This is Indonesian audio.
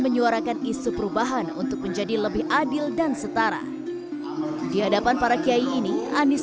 menyuarakan isu perubahan untuk menjadi lebih adil dan setara di hadapan para kiai ini anies